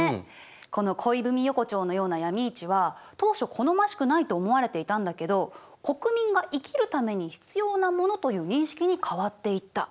この恋文横丁のような闇市は当初好ましくないと思われていたんだけど国民が生きるために必要なものという認識に変わっていった。